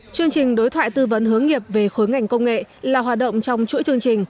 chương trình đối thoại tư vấn hướng nghiệp về khối ngành công nghệ là hoạt động trong chuỗi chương trình